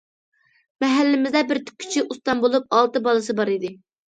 مەھەللىمىزدە بىر تىككۈچى ئۇستام بولۇپ، ئالتە بالىسى بار ئىدى.